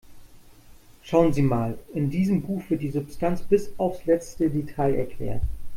Schauen Sie mal, in diesem Buch wird die Substanz bis aufs letzte Detail erklärt.